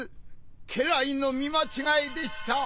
家来の見まちがいでした。